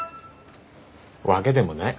わけでもない。